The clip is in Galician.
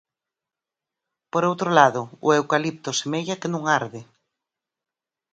Por outro lado, o eucalipto semella que non arde.